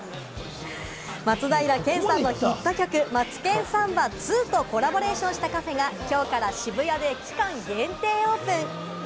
松平健さんのヒット曲『マツケンサンバ２』とコラボレーションしたカフェが、今日から渋谷で期間限定オープン。